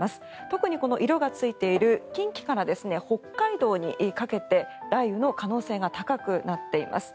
特に色がついている近畿から北海道にかけて雷雨の可能性が高くなっています。